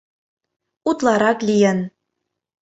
Утларак лийын.